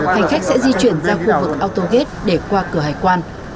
hành khách sẽ di chuyển ra khu vực autogate để qua cửa hải quan